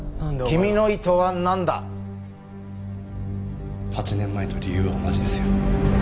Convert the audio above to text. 君の意図はなんだ？８年前と理由は同じですよ。